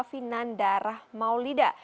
fina nandara maulida